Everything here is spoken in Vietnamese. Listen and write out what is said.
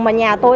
mà nhà tôi